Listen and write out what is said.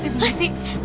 pak rt apa sih